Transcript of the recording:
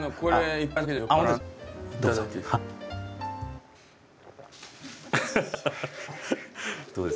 いただきます。